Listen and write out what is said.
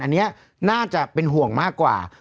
อันนี้น่าจะเป็นห่วงมากกว่า